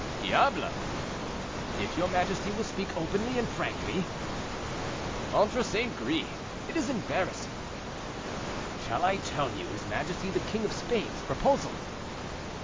"Diable!" "If your majesty will speak openly and frankly?" "Ventre St. Gris, it is embarrassing." "Shall I tell you his majesty the king of Spain's proposal?"